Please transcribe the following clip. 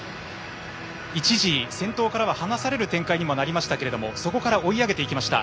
一時、先頭からは離される展開になりましたけどそこから追い上げていきました。